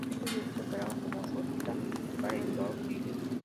Estos viajes operaban como ruta local en Brooklyn.